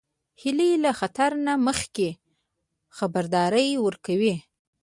هیلۍ له خطر نه مخکې خبرداری ورکوي